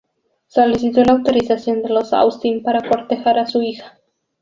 Solicitó la autorización de los Austin para cortejar a su hija.